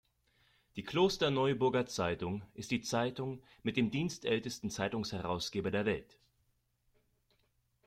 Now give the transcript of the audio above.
Die Klosterneuburger Zeitung ist die Zeitung mit dem dienstältesten Zeitungsherausgeber der Welt.